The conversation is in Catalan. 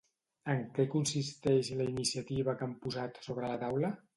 En què consisteix la iniciativa que han posat sobre la taula?